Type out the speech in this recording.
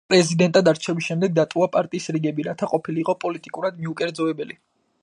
პრეზიდენტად არჩევის შემდეგ დატოვა პარტიის რიგები, რათა ყოფილიყო პოლიტიკურად მიუკერძოებელი.